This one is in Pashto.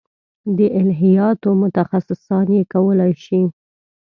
د الهیاتو متخصصان یې کولای شي.